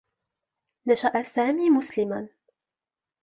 نشأ سامي مسلما.